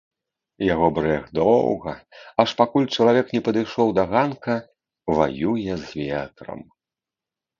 Яго брэх доўга, аж пакуль чалавек не падышоў да ганка, ваюе з ветрам.